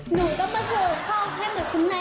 หนูต้องมาเจอข้อแค่เหมือนคุณนาย